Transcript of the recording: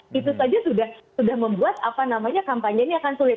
dia sudah membuat apa namanya kampanye ini akan sulit